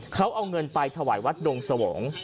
เขาเอาเงินไปถวายวัดดงสวอง